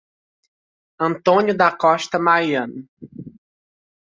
Antônio da Costa Mariano